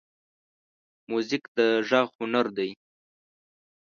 موزیک د غږ هنر دی.